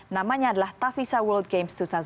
namanya adalah tavisa world games dua ribu delapan belas